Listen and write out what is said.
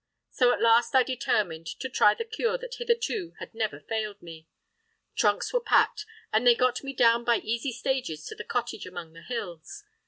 So at last I determined to try the cure that hitherto had never failed me. Trunks were packed, and they got me down by easy stages to the cottage among the hills.